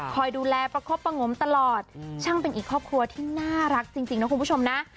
คอยดูแลประคบประงมตลอดช่างเป็นอีกครอบครัวที่น่ารักจริงนะคุณผู้ชมนะ